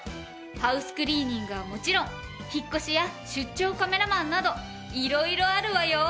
ハウスクリーニングはもちろん引っ越しや出張カメラマンなど色々あるわよ。